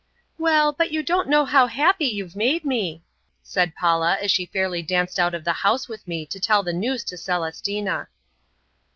"Well, but you don't know how happy you've made me!" said Paula as she fairly danced out of the house with me to tell the news to Celestina.